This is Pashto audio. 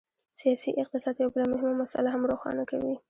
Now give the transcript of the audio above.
سیاسي اقتصاد یوه بله مهمه مسله هم روښانه کوي.